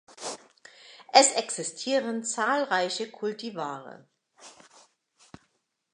Es existieren zahlreiche Kultivare.